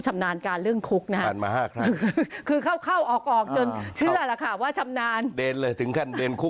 ชำนาญการเรื่องคุกนะครับมาเดินเลยถึงกันเด้นคุก